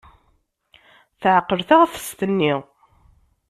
Teɛqel taɣtest-nni.